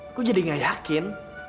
aku jadi nggak yakin